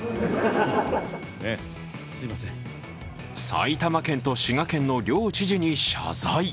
埼玉県と滋賀県の両知事に謝罪。